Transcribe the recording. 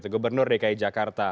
gubernur dki jakarta